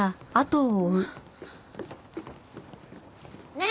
ねえ！